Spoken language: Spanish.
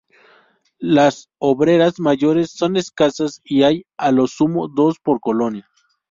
Las obreras mayores son escasas y hay a lo sumo dos por colonia.